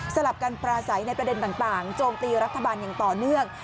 ลับกันปราศัยในประเด็นต่างโจมตีรัฐบาลอย่างต่อเนื่อง